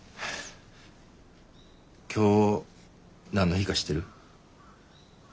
今日何の日か知ってる？